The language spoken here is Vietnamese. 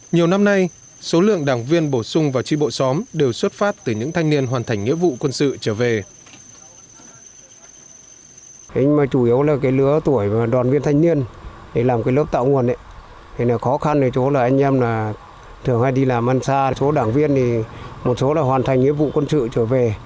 nhiều năm nay số lượng đảng viên bổ sung vào tri bộ xóm đều xuất phát từ những thanh niên hoàn thành nghĩa vụ quân sự trở về